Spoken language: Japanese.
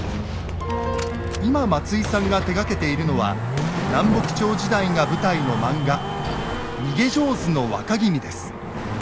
今松井さんが手がけているのは南北朝時代が舞台の漫画「逃げ上手の若君」です。